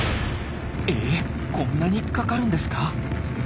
えっこんなにかかるんですか！？